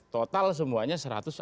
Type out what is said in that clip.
total semuanya satu ratus enam puluh tiga